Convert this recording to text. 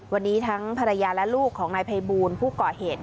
วันนี้ทั้งภรรยาและลูกของนายภัยบูลผู้ก่อเหตุ